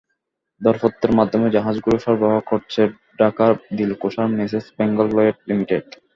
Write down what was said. দরপত্রের মাধ্যমে জাহাজগুলো সরবরাহ করছে ঢাকার দিলকুশার মেসার্স বেঙ্গল লয়েড লিমিটেড।